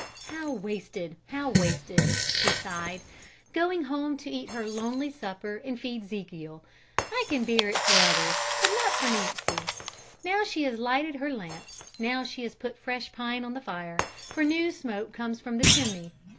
"How wasted! How wasted!" she sighed. "Going home to eat her lonely supper and feed 'Zekiel ... I can bear it for the others, but not for Nancy ... Now she has lighted her lamp, now she has put fresh pine on the fire, for new smoke comes from the chimney.